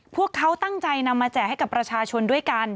พวกเขาตั้งใจนำมาแจกให้กับประชาชนด้วยกัน